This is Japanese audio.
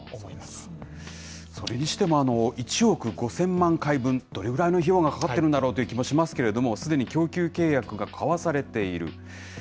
それにしても、１億５０００万回分、どれぐらいの費用がかかっているんだろうという気もしますけれども、すでに供給契約が交わされている。